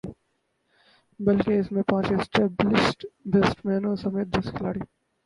بلکہ اس میں پانچ اسپیشلسٹ بیٹسمینوں سمیت دس کھلاڑی